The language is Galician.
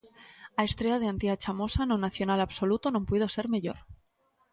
A estrea de Antía Chamosa no Nacional Absoluto non puido ser mellor.